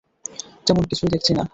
তেমন কিছুই দেখছি না।